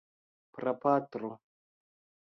prapatro